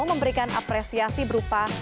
memberikan apresiasi berupa